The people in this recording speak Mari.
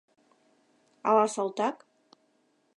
Ала салтак?